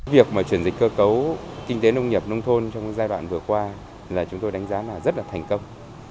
việc mà chuyển dịch cơ cấu kinh tế nông nghiệp nông thôn trong giai đoạn vừa qua là chúng tôi đánh giá là rất là thành công